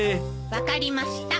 分かりました。